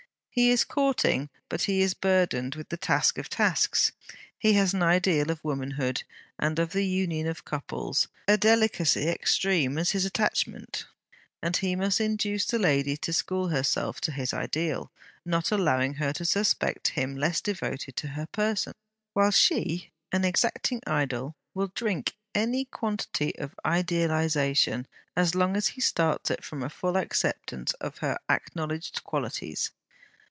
He is courting, but he is burdened with the task of tasks. He has an ideal of womanhood and of the union of couples: a delicacy extreme as his attachment: and he must induce the lady to school herself to his ideal, not allowing her to suspect him less devoted to her person; while she, an exacting idol, will drink any quantity of idealization as long as he starts it from a full acceptance of her acknowledged qualities.